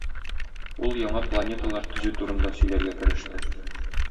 Ул яңа планеталар төзү турында сөйләргә кереште.